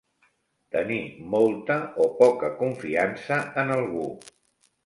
Tenir molta, o poca, confiança en algú.